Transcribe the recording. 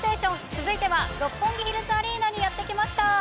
続いては六本木ヒルズアリーナにやってきました。